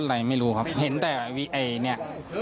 อะไรไม่รู้ครับเห็นแต่ไอ้เนี่ย